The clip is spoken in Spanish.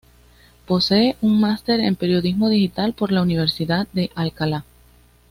Posee un máster en Periodismo Digital por la Universidad de Alcalá.